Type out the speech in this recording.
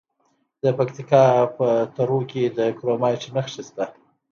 د پکتیکا په تروو کې د کرومایټ نښې شته.